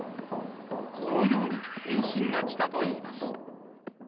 このように返信が来たといいます。